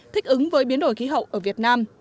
thích ứng với biến đổi khí hậu ở việt nam